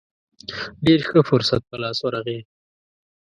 ډېر ښه فرصت په لاس ورغی.